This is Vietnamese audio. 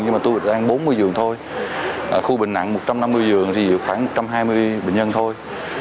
nhưng mà tôi đang bốn mươi dường thôi khu bệnh nặng một trăm năm mươi dường thì khoảng một trăm hai mươi bệnh nhân thôi